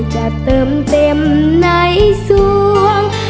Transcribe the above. จะเติมเต็มในสวง